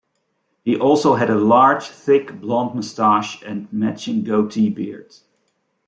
He also had a large, thick, blonde moustache and matching goatee beard.